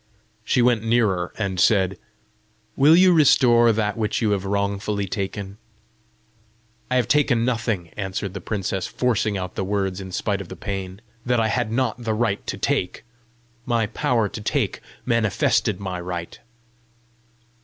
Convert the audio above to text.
She went nearer and said, "Will you restore that which you have wrongfully taken?" "I have taken nothing," answered the princess, forcing out the words in spite of pain, "that I had not the right to take. My power to take manifested my right."